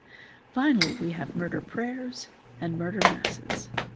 Finally we have murder prayers and murder masses.